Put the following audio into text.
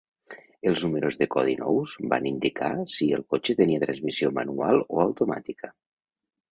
El números de codi nous van indicar si el cotxe tenia transmissió manual o automàtica.